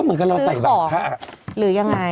ก็เหมือนกับเราใส่บาดผ้า